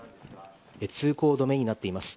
通行止めになっています。